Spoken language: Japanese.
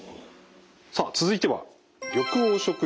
さあ続いては緑黄色野菜です。